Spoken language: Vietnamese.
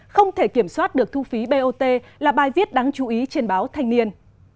không thể kiểm soát được thu phí bot là bài viết đáng chú ý trên báo thanh niên